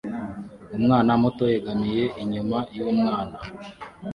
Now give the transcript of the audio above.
Umwana muto yegamiye inyuma yumwana